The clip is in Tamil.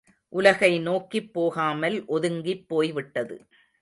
உலகை நோக்கிப் போகாமல் ஒதுங்கிப் போய்விட்டது.